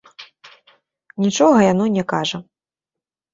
Нічога яно не кажа.